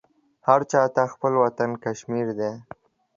هر چا ته خپل وطن کشمیر دی.